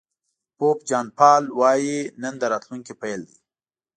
پوپ جان پایول وایي نن د راتلونکي پيل دی.